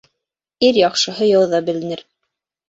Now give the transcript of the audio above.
Ир яҡшыһы яуҙа беленер.